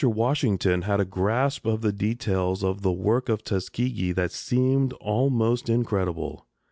Washington had a grasp of the details of the work of Tuskegee that seemed almost incredible.